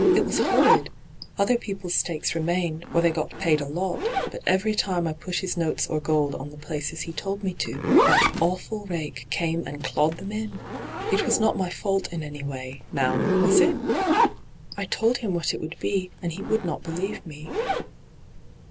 ' It was horrid I Other people's stakes remained, or they got paid a lot ; but every time I put his notes or gold on the places he told me to, that awful rake oame and clawed them in I It was not my fault in any way — now, was it ? D,gt,, 6rtbyGOOglC 192 ENTRAPPED I told him what it would be, and he would not believe me.'